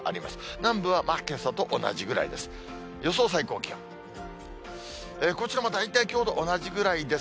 南部はけさと同じぐらいです。